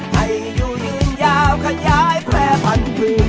ให้อยู่ยืนยาวขนย้ายแพร่พันธุ์